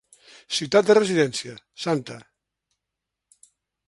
Ciutat de residència: Santa